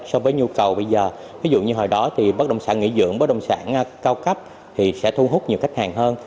so với nhu cầu bây giờ ví dụ như hồi đó thì bất động sản nghỉ dưỡng bất động sản cao cấp thì sẽ thu hút nhiều khách hàng hơn